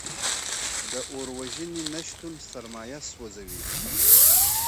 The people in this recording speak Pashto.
د اور وژنې نشتون سرمایه سوځوي.